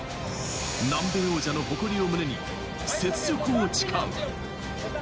南米王者の誇りを胸に、雪辱を誓う。